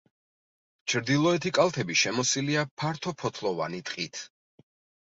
ჩრდილოეთი კალთები შემოსილია ფართოფოთლოვანი ტყით.